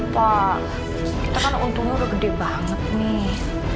pak kita kan untungnya udah gede banget nih